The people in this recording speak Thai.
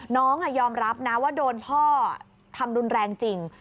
น้องยอมรับนะว่าโดนพ่อทำรุนแรงจริง